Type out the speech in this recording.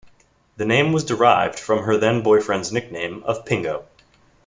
The name was derived from her then boyfriends nickname of Pingo.